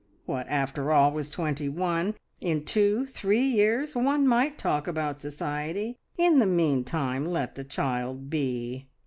What, after all, was twenty one? In two, three years one might talk about society; in the meantime let the child be!